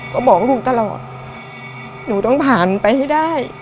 ก็บอกลูกตลอดหนูต้องผ่านไปให้ได้